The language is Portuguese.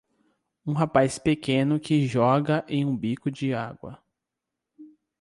Um rapaz pequeno que joga em um bico de água.